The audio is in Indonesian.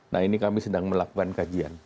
nah ini kami sedang melakukan kajian